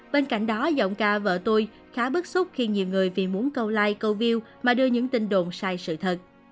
bên cạnh đó giọng ca vợ tôi khá bức xúc khi nhiều người vì muốn câu like câu view mà đưa những tin đồn sai sự thật